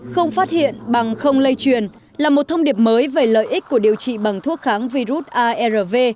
không phát hiện bằng không lây truyền là một thông điệp mới về lợi ích của điều trị bằng thuốc kháng virus arv